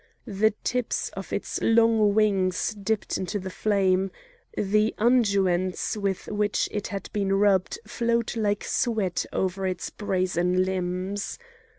The tips of its long wings dipped into the flame; the unguents with which it had been rubbed flowed like sweat over its brazen limbs.